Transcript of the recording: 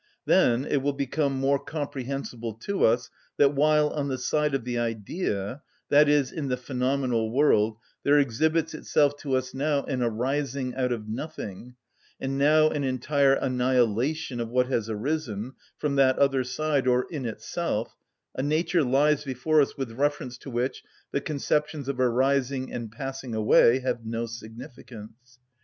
Then it will become more comprehensible to us that while on the side of the idea, that is, in the phenomenal world, there exhibits itself to us now an arising out of nothing, and now an entire annihilation of what has arisen, from that other side, or in itself, a nature lies before us with reference to which the conceptions of arising and passing away have no significance.